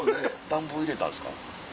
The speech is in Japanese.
暖房入れたんですか？